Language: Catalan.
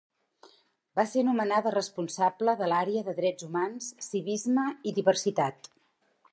Va ser nomenada responsable de l'àrea de Drets Humans, Civisme i Diversitat.